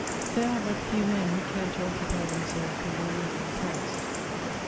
I'^HERE are but few men who care to occupy themselves with the immediate past.